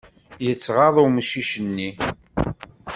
Yettɣaḍ umcic-nni.